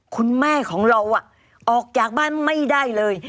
คุณแม่ของเราออกจากบ้านไม่ได้เลย